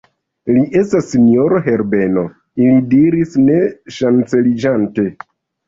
Li estas sinjoro Herbeno, ili diris ne ŝanceliĝante.